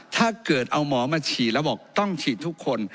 ถ้าเกิดเอาหมอมาฉีดแล้วบอกต้องฉีดทุกคน